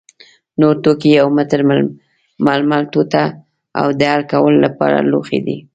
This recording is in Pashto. نور توکي یو متر ململ ټوټه او د حل کولو لپاره لوښي دي.